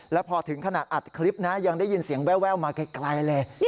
แล้วพอถึงขนาดอัดคลิปนะยังได้ยินเสียงแววมาไกลเลย